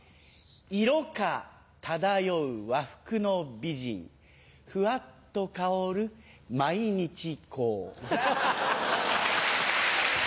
色香漂う和服の美人ふわっと香る「毎日香」。